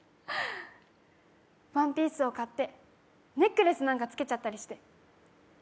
ワンピースを買って、ネックレスなんかつけちゃったりして。